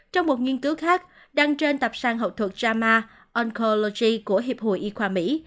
trong một nghiên cứu khác đăng trên tập sang học thuật jama oncology của hiệp hội y khoa mỹ